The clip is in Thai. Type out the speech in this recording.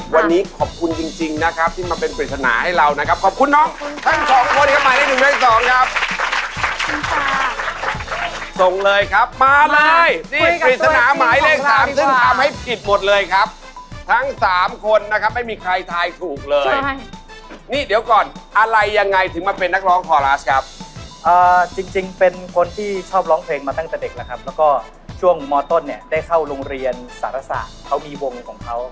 สวัสดีค่ะสวัสดีค่ะสวัสดีค่ะสวัสดีค่ะสวัสดีค่ะสวัสดีค่ะสวัสดีค่ะสวัสดีค่ะสวัสดีค่ะสวัสดีค่ะสวัสดีค่ะสวัสดีค่ะสวัสดีค่ะสวัสดีค่ะสวัสดีค่ะสวัสดีค่ะสวัสดีค่ะสวัสดีค่ะสวัสดีค่ะสวัสดีค่ะสวัสดีค่ะสวัสดีค่ะส